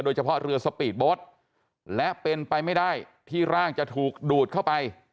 โดยเฉพาะเรือสปีดโบ๊ทและเป็นไปไม่ได้ที่ร่างจะถูกดูดเข้าไป